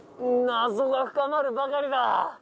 謎が深まるばかりだ